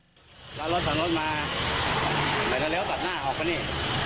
ร้านรถสั่งรถมาหลายแล้วสัดหน้าออกไปนี่